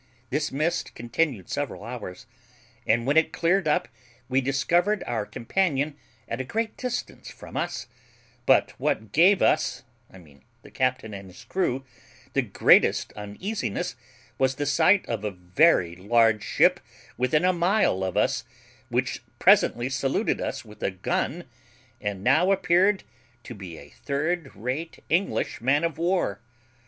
This mist continued several hours, and when it cleared up we discovered our companion at a great distance from us; but what gave us (I mean the captain and his crew) the greatest uneasiness was the sight of a very large ship within a mile of us, which presently saluted us with a gun, and now appeared to be a third rate English man of war.